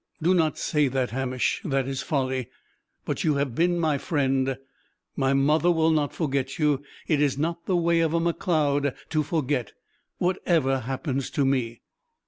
"Do not say that, Hamish that is folly. But you have been my friend. My mother will not forget you it is not the way of a Macleod to forget whatever happens to me."